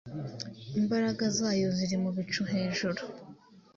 imbaraga zayo ziri mu bicu hejuru